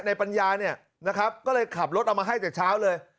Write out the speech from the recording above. ปัญญาเนี่ยนะครับก็เลยขับรถเอามาให้แต่เช้าเลย